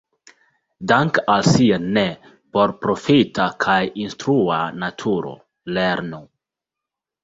Danke al sia ne-porprofita kaj instrua naturo, "lernu!